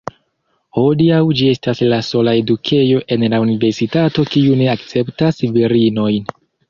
Hodiaŭ ĝi estas la sola edukejo en la universitato kiu ne akceptas virinojn.